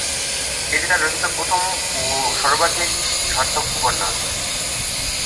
এটি তার রচিত প্রথম ও সর্বাধিক সার্থক উপন্যাস।